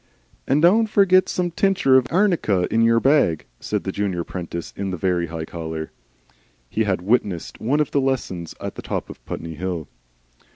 "And done forget some tinscher of arnica in yer bag," said the junior apprentice in the very high collar. (He had witnessed one of the lessons at the top of Putney Hill.)